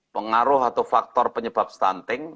pengaruh atau faktor penyebab stunting